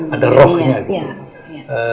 ada rohnya gitu